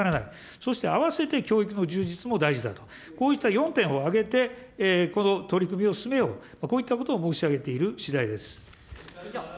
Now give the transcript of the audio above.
そして併せて教育の充実も大事だと、こういった４点を挙げて、この取り組みを進めよう、こういったことを申し上げているしだいです。